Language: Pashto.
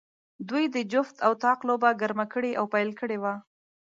دوی د جفت او طاق لوبه ګرمه کړې او پیل کړې وه.